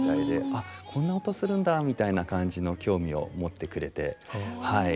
「あこんな音するんだ」みたいな感じの興味を持ってくれてはい。